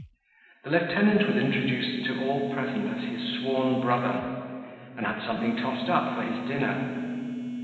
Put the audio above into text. The lieutenant was introduced to all present as his sworn brother, and had something tossed up for his dinner.